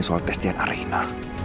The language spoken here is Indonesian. soal tes tnr ya